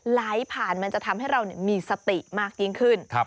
ไหลผ่านมันจะทำให้เรามีสติมากยิ่งขึ้น